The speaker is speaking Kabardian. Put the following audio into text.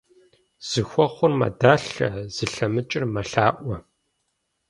Зыхуэхъур мэдалъэ, зылъэмыкӀыр мэлъаӀуэ.